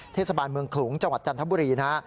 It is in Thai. เทศบาลเมืองขลุงจังหวัดจันทบุรีนะฮะ